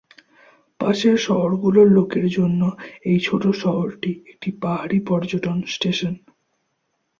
পাশের শহরগুলোর লোকের জন্য এই ছোট শহরটি একটি পাহাড়ি পর্যটন স্টেশন।